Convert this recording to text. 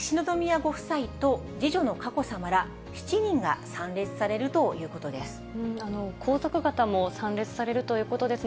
そして皇族からは秋篠宮ご夫妻と次女の佳子さまら７人が参列されるということです。